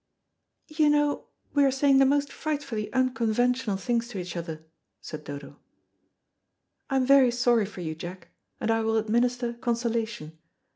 "You know we are saying the most frightfully unconventional things to each other," said Dodo. "I am very sorry for you, Jack, and I will administer consolation.